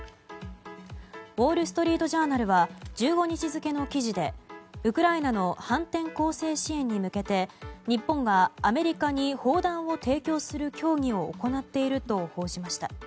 ウォール・ストリート・ジャーナルは１５日付の記事で、ウクライナの反転攻勢支援に向けて日本がアメリカに砲弾を提供する協議を行っていると報じました。